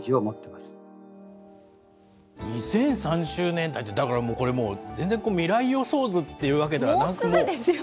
２０３０年代って、だからもう、これもう、全然未来予想図ってわけではなく。